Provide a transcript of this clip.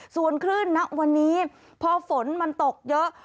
ส่วนคลื่นนะวันนี้พอฝนมันตกเยอะ